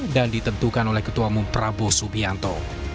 dan ditentukan oleh ketua mumprabo subianto